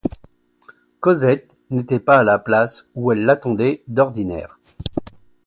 Cosette n’était pas à la place où elle l’attendait d’ordinaire.